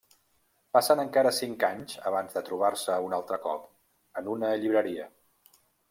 Passen encara cinc anys abans de trobar-se un altre cop, en una llibreria.